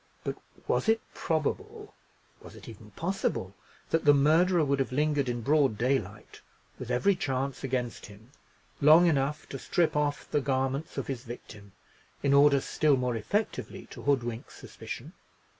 But was it probable—was it even possible—that the murderer would have lingered in broad daylight, with every chance against him, long enough to strip off the garments of his victim, in order still more effectually to hoodwink suspicion?